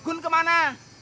gun ke mana